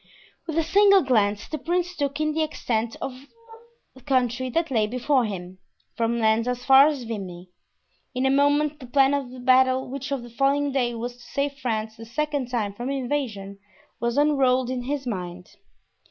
With a single glance the prince took in the extent of country that lay before him, from Lens as far as Vimy. In a moment the plan of the battle which on the following day was to save France the second time from invasion was unrolled in his mind.